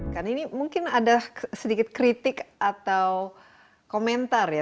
jadi seluruh indonesia maju jalan